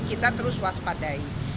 kita terus waspadai